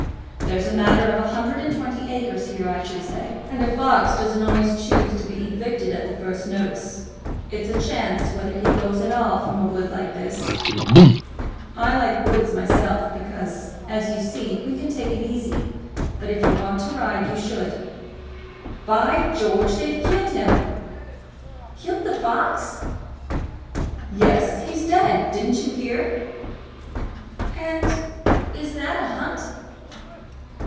There's a matter of a hundred and twenty acres here, I should say, and a fox doesn't always choose to be evicted at the first notice. It's a chance whether he goes at all from a wood like this. I like woods myself, because, as you say, we can take it easy; but if you want to ride, you should By George, they've killed him!" "Killed the fox?" "Yes; he's dead. Didn't you hear?" "And is that a hunt?"